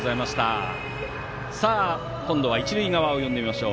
今度は一塁側を呼んでみましょう。